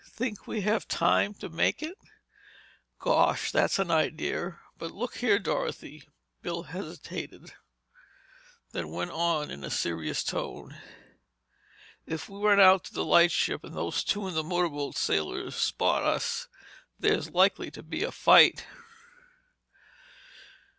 Think we have time to make it?" "Gosh, that's an idea! But, look here, Dorothy—" Bill hesitated, then went on in a serious tone, "if we run out to the lightship and those two in the motor sailor spot us, there's likely to be a fight."